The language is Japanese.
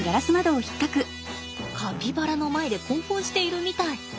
カピバラの前で興奮しているみたい。